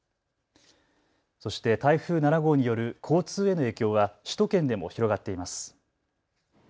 そして台風７号による交通への影響は、首都圏でも広がっています。